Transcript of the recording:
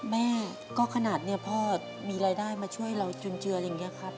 แม่ก็ขนาดนี้พ่อมีรายได้มาช่วยเราจุนเจืออะไรอย่างนี้ครับ